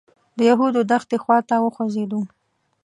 د یهودو دښتې خوا ته وخوځېدو.